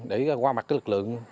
để qua mặt lực lượng